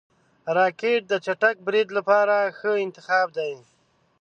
راکټ د چټک برید لپاره ښه انتخاب دی